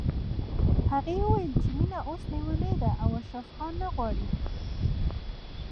هغې ويل چې مينه اوس ليونۍ ده او اشرف خان نه غواړي